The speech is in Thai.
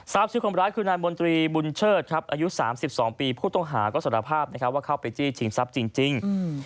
ชื่อคนร้ายคือนายมนตรีบุญเชิดครับอายุ๓๒ปีผู้ต้องหาก็สารภาพว่าเข้าไปจี้ชิงทรัพย์จริง